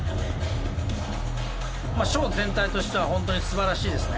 ショー全体としては本当にすばらしいですね。